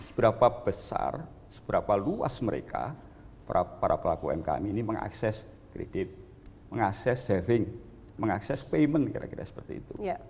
seberapa besar seberapa luas mereka para pelaku umkm ini mengakses kredit mengakses saving mengakses payment kira kira seperti itu